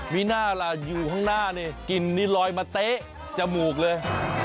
มีหน้าล่ะอยู่ข้างหน้านี่กลิ่นนี่ลอยมาเต๊ะจมูกเลย